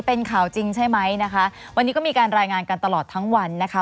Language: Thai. เป็นข่าวจริงใช่ไหมนะคะวันนี้ก็มีการรายงานกันตลอดทั้งวันนะคะ